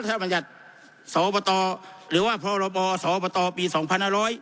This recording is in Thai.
บรรยัติสอบตหรือว่าพรบสอบตปีสองพันห้าร้อย